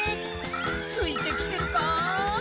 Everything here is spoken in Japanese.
ついてきてるか？